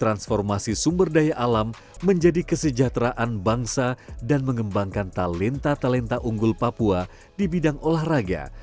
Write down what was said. transformasi sumber daya alam menjadi kesejahteraan bangsa dan mengembangkan talenta talenta unggul papua di bidang olahraga